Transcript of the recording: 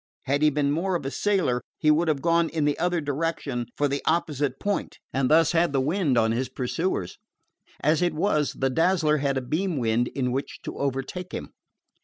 Had he been more of a sailor, he would have gone in the other direction for the opposite point, and thus had the wind on his pursuers. As it was, the Dazzler had a beam wind in which to overtake him.